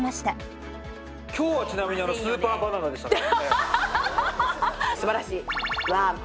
今日はちなみにスーパーバナナでしたね。